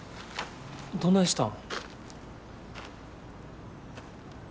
どないしたん。